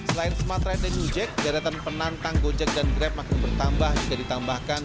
selain smartride dan nujek jaratan penantang gojek dan grab makin bertambah juga ditambahkan